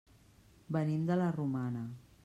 Venim de la Romana.